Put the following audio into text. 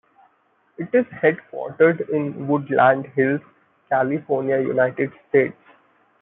It is headquartered in Woodland Hills, California, United States.